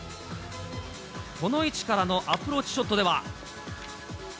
この位置からのアプローチショットでは。